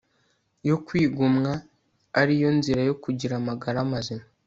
yo kwigomwa ari yo nzira yo kugira amagara mazima